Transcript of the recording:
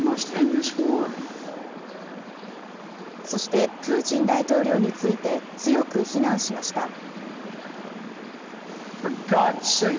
そして、プーチン大統領について強く非難しました。